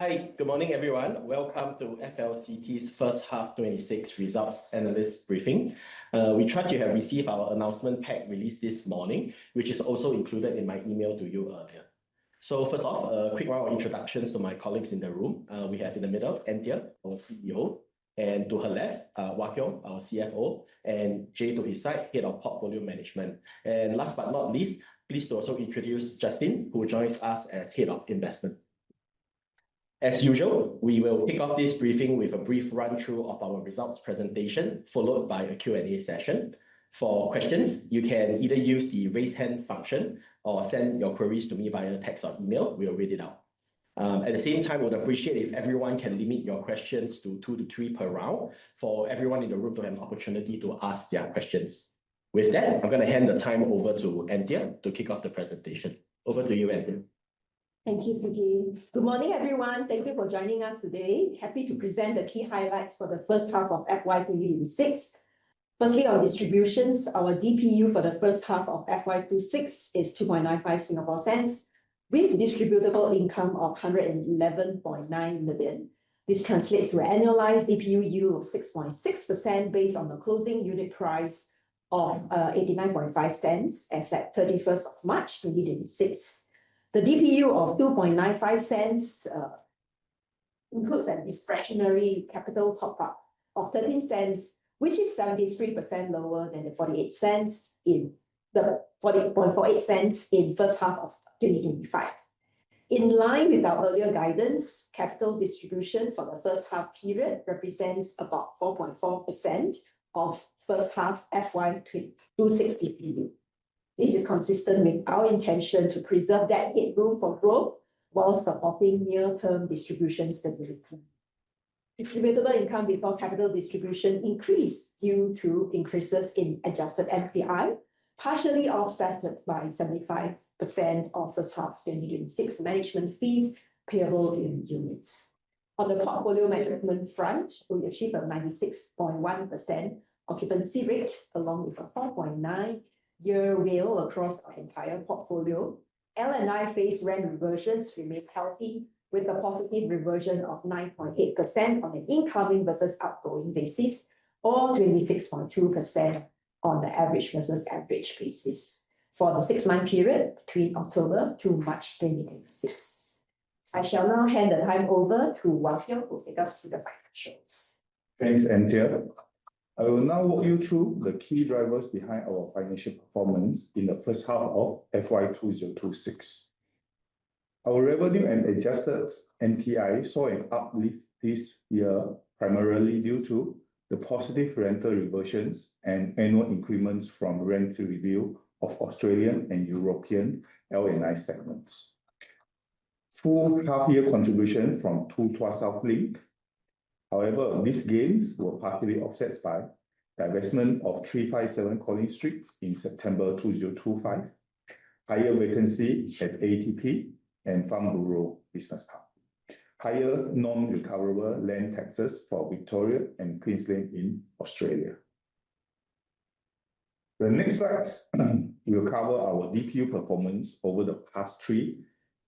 Hi. Good morning, everyone. Welcome to FLCT's first half FY 2026 results analyst briefing. We trust you have received our announcement pack released this morning, which is also included in my email to you earlier. First off, a quick round of introductions to my colleagues in the room. We have in the middle, Anthea, our CEO, and to her left, Wah Keong, our CFO, and Jay to his side, Head of Portfolio Management. Last but not least, pleased to also introduce Justin, who joins us as Head of Investment. As usual, we will kick off this briefing with a brief run-through of our results presentation, followed by a Q&A session. For questions, you can either use the raise hand function or send your queries to me via text or email. We will read it out. At the same time, we would appreciate if everyone can limit your questions to two to three per round for everyone in the room to have an opportunity to ask their questions. With that, I am going to hand the time over to Anthea to kick off the presentation. Over to you, Anthea. Thank you, CK. Good morning, everyone. Thank you for joining us today. Happy to present the key highlights for the first half of FY 2026. Firstly, our distributions. Our DPU for the first half of FY 2026 is 0.0295 with distributable income of 111.9 million. This translates to an annualized DPU yield of 6.6% based on the closing unit price of 0.895 as at 31st of March 2026. The DPU of 0.0295 includes a discretionary capital top-up of 0.13, which is 73% lower than the 0.48 in first half of 2025. In line with our earlier guidance, capital distribution for the first half period represents about 4.4% of first half FY 2026 DPU. This is consistent with our intention to preserve that headroom for growth while supporting near-term distribution stability. Distributable income before capital distribution increased due to increases in adjusted NPI, partially offset by 75% of first half 2026 management fees payable in units. On the portfolio management front, we achieved a 96.1% occupancy rate, along with a 4.9-year WALE across our entire portfolio. L&I phase rent reversions remain healthy, with a positive reversion of 9.8% on an incoming versus outgoing basis, or 26.2% on the average versus average basis, for the six-month period between October to March 2026. I shall now hand the time over to Wah Keong who will take us through the financials. Thanks, Anthea. I will now walk you through the key drivers behind our financial performance in the first half of FY 2026. Our revenue and adjusted NPI saw an uplift this year, primarily due to the positive rental reversions and annual increments from rent review of Australian and European L&I segments. Full half-year contribution from 2 Tuas South Link 1. However, these gains were partially offset by divestment of 357 Collins Street in September 2025, higher vacancy at ATP and Farnborough Business Park, higher non-recoverable land taxes for Victoria and Queensland in Australia. The next slide will cover our DPU performance over the past 3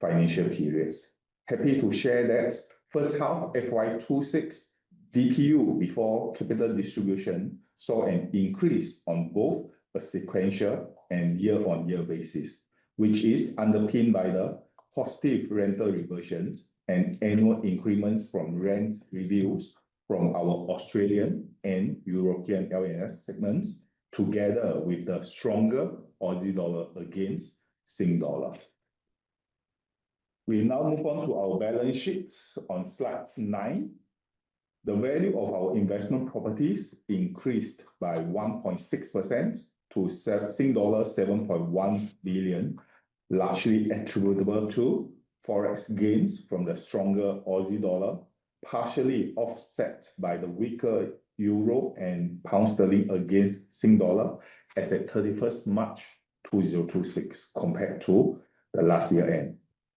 financial periods. Happy to share that first half FY 2026 DPU before capital distribution saw an increase on both a sequential and year-on-year basis, which is underpinned by the positive rental reversions and annual increments from rent reviews from our Australian and European L&I segments, together with the stronger AUD against SGD. We now move on to our balance sheets on slide nine. The value of our investment properties increased by 1.6% to dollar 7.1 billion, largely attributable to Forex gains from the stronger AUD, partially offset by the weaker EUR and GBP against SGD as at 31st March 2026, compared to the last year end,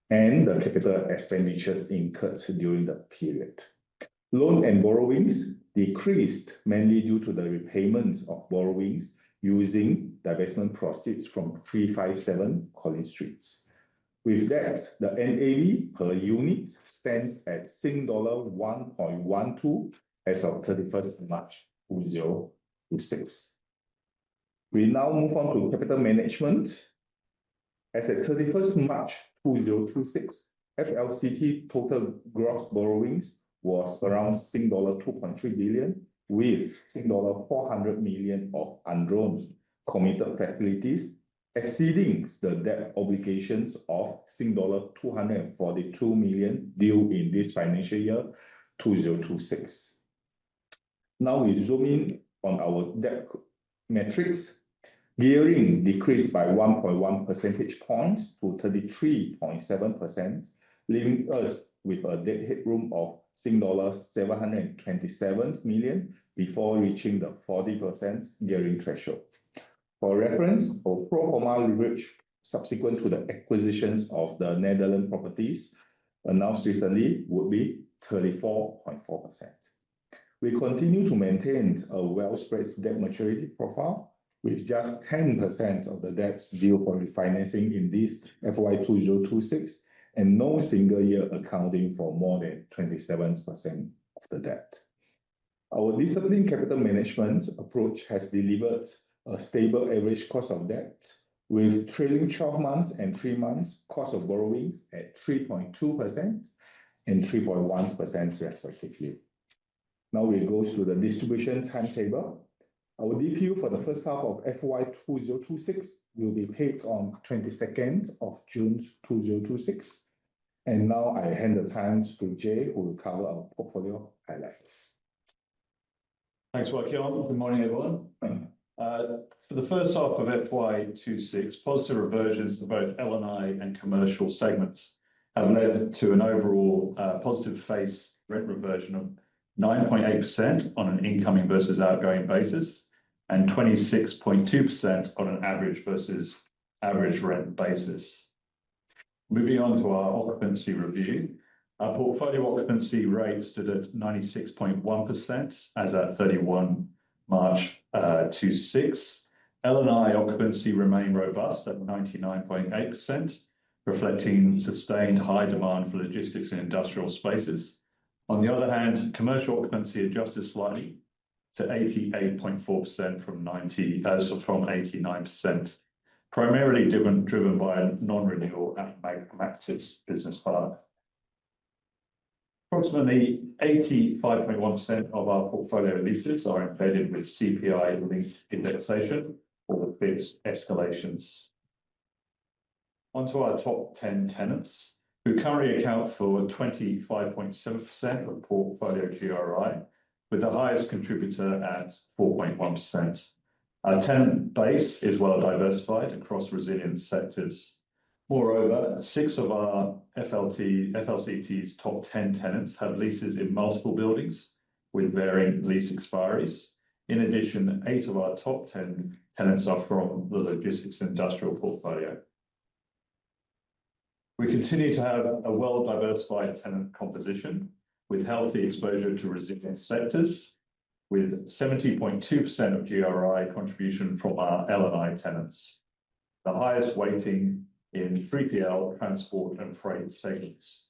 and the capital expenditures incurred during the period. Loan and borrowings decreased mainly due to the repayments of borrowings using divestment proceeds from 357 Collins Street. With that, the NAV per unit stands at Sing dollar 1.12 as of 31st March 2026. We now move on to capital management. As at 31st March 2026, FLCT total gross borrowings was around SGD 2.3 billion, with SGD 400 million of undrawn committed facilities, exceeding the debt obligations of Sing dollar 242 million due in this FY 2026. We zoom in on our debt metrics. Gearing decreased by 1.1 percentage points to 33.7%, leaving us with a debt headroom of Sing dollars 727 million before reaching the 40% gearing threshold. For reference, our pro forma leverage subsequent to the acquisitions of the Netherlands properties announced recently would be 34.4%. We continue to maintain a well-spread debt maturity profile with just 10% of the debts due for refinancing in this FY 2026, and no single year accounting for more than 27% of the debt. Our disciplined capital management approach has delivered a stable average cost of debt, with trailing 12 months and 3 months cost of borrowings at 3.2% and 3.1%, respectively. We go through the distribution timetable. Our DPU for the first half of FY 2026 will be paid on 22nd of June 2026. I hand the time to Jay who will cover our portfolio highlights. Thanks, Wah Keong. Good morning, everyone. For the first half of FY 2026, positive reversions to both L&I and commercial segments have led to an overall positive phase rent reversion of 9.8% on an incoming versus outgoing basis, and 26.2% on an average versus average rent basis. Moving on to our occupancy review. Our portfolio occupancy rate stood at 96.1% as at 31 March 2026. L&I occupancy remained robust at 99.8%, reflecting sustained high demand for logistics and industrial spaces. On the other hand, commercial occupancy adjusted slightly to 88.4% from 89%, primarily driven by a non-renewal at Maxis Business Park. Approximately 85.1% of our portfolio leases are embedded with CPI-linked indexation or fixed escalations. Onto our top 10 tenants, who currently account for 25.7% of portfolio GRI, with the highest contributor at 4.1%. Our tenant base is well diversified across resilient sectors. Six of our FLCT's top 10 tenants have leases in multiple buildings with varying lease expiries. In addition, eight of our top 10 tenants are from the logistics industrial portfolio. We continue to have a well-diversified tenant composition with healthy exposure to resilient sectors, with 70.2% of GRI contribution from our L&I tenants. The highest weighting in 3PL transport and freight segments.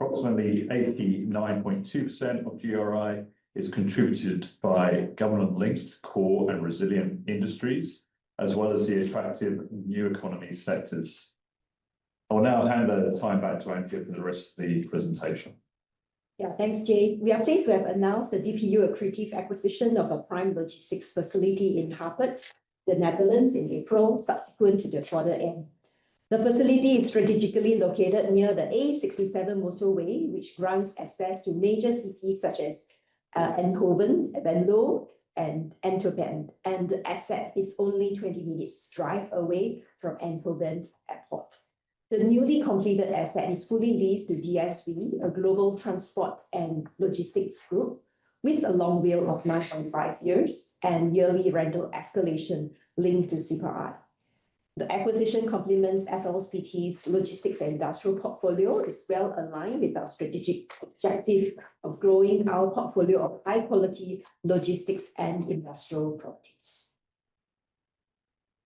Approximately 89.2% of GRI is contributed by government-linked core and resilient industries, as well as the attractive new economy sectors. I will now hand the time back to Anthea for the rest of the presentation. Thanks, Jay. We are pleased to have announced the DPU accretive acquisition of a prime logistics facility in Hapert, the Netherlands in April, subsequent to the quarter end. The facility is strategically located near the A67 motorway, which grants access to major cities such as Eindhoven, Venlo, and Antwerpen, and the asset is only 20 minutes drive away from Eindhoven Airport. The newly completed asset is fully leased to DSV, a global transport and logistics group, with a long tail of 9.5 years and yearly rental escalation linked to CPI. The acquisition complements FLCT's logistics and industrial portfolio, is well-aligned with our strategic objective of growing our portfolio of high-quality logistics and industrial properties.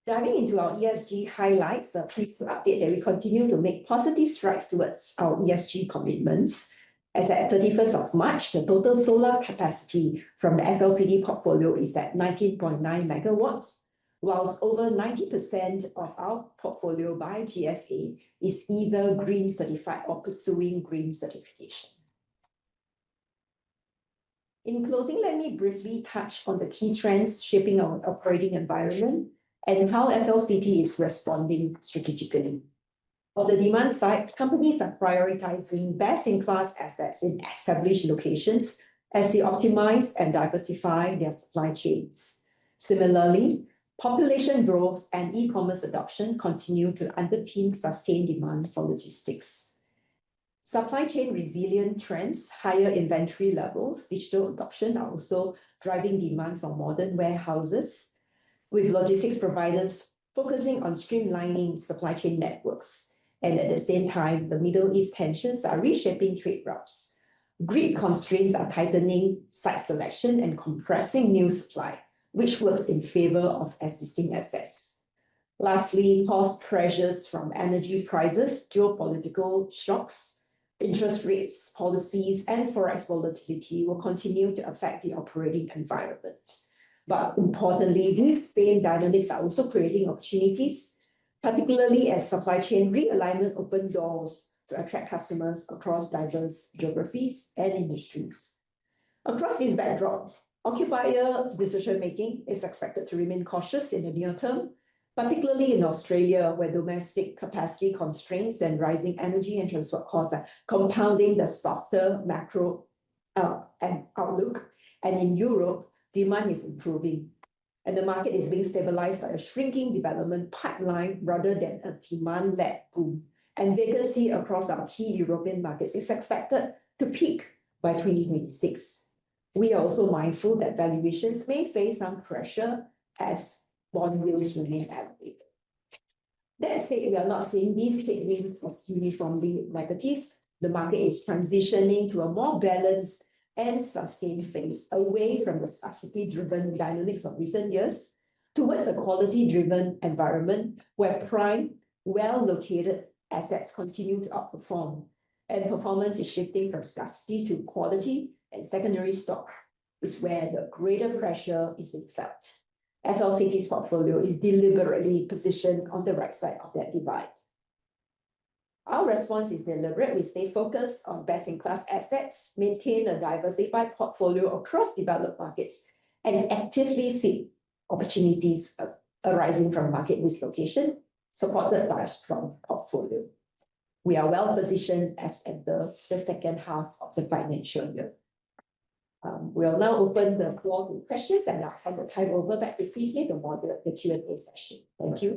Diving into our ESG highlights, pleased to update that we continue to make positive strides towards our ESG commitments. As at 31st of March, the total solar capacity from the FLCT portfolio is at 19.9 MW, whilst over 90% of our portfolio by GFA is either green certified or pursuing green certification. In closing, let me briefly touch on the key trends shaping our operating environment and how FLCT is responding strategically. On the demand side, companies are prioritizing best-in-class assets in established locations as they optimize and diversify their supply chains. Similarly, population growth and e-commerce adoption continue to underpin sustained demand for logistics. Supply chain resilient trends, higher inventory levels, digital adoption are also driving demand for modern warehouses, with logistics providers focusing on streamlining supply chain networks. At the same time, the Middle East tensions are reshaping trade routes. Grid constraints are tightening site selection and compressing new supply, which works in favor of existing assets. Lastly, cost pressures from energy prices, geopolitical shocks, interest rates, policies, and forex volatility will continue to affect the operating environment. Importantly, these same dynamics are also creating opportunities, particularly as supply chain realignment open doors to attract customers across diverse geographies and industries. Across this backdrop, occupier decision-making is expected to remain cautious in the near term, particularly in Australia, where domestic capacity constraints and rising energy and transport costs are compounding the softer macro outlook. In Europe, demand is improving, and the market is being stabilized by a shrinking development pipeline rather than a demand-led boom. Vacancy across our key European markets is expected to peak by 2026. We are also mindful that valuations may face some pressure as bond yields remain elevated. That said, we are not seeing these headwinds as uniformly negative. The market is transitioning to a more balanced and sustained phase, away from the scarcity-driven dynamics of recent years, towards a quality-driven environment where prime, well-located assets continue to outperform. Performance is shifting from scarcity to quality, and secondary stock is where the greater pressure is in effect. FLCT's portfolio is deliberately positioned on the right side of that divide. Our response is deliberate. We stay focused on best-in-class assets, maintain a diversified portfolio across developed markets, and actively seek opportunities arising from market dislocation, supported by a strong portfolio. We'll now open the floor to questions, and I'll hand the time over back to Si Hui to moderate the Q&A session. Thank you.